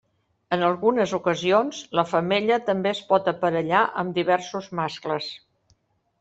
En algunes ocasions, la femella també es pot aparellar amb diversos mascles.